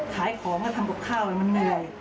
ขายของแล้วทำกับข้าวมันเหนื่อย